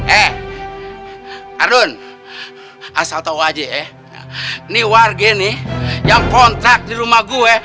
eh arun asal tahu aja nih warga ini yang kontrak di rumah gue